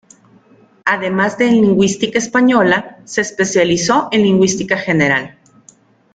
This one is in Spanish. Además de en lingüística española, se especializó en lingüística general.